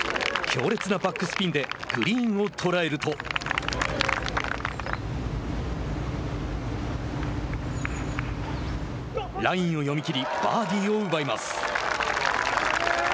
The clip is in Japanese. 強烈なバックスピンでグリーンを捉えるとラインを読み切りバーディーを奪います。